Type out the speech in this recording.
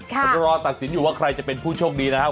แต่รอตัดสินอยู่ว่าใครจะเป็นผู้โชคดีนะครับ